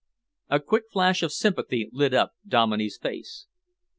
A quick flash of sympathy lit up Dominey's face.